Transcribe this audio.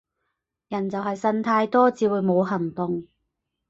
人就係呻太多至會冇行動